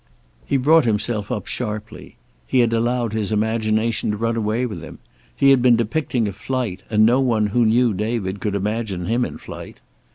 He brought himself up sharply. He had allowed his imagination to run away with him. He had been depicting a flight and no one who knew David could imagine him in flight.